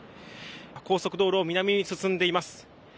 高速道路を南に向かっています。